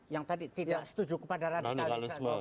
yang tadi tidak setuju kepada radikalisme